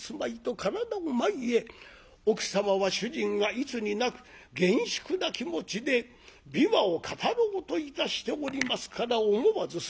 奥様は主人がいつになく厳粛な気持ちで琵琶を語ろうといたしておりますから思わず座り直しました。